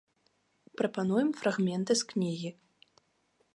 Прапануем фрагменты з кнігі.